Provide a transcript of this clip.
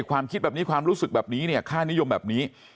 ความคิดแบบนี้ความรู้สึกแบบนี้เนี่ยค่านิยมแบบนี้